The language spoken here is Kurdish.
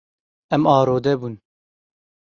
Em arode bûn.